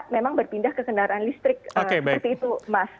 memang berpindah ke kendaraan listrik seperti itu mas